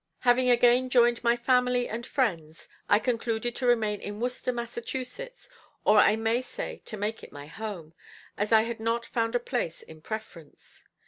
Having again joined my family and friends, I concluded to remain in Worcester, Mass., or I may say to make it my home, as I had not found a place in preference.